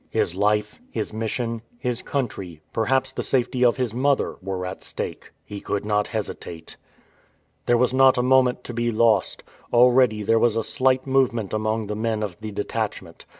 His life, his mission, his country, perhaps the safety of his mother, were at stake. He could not hesitate. There was not a moment to be lost. Already there was a slight movement among the men of the detachment.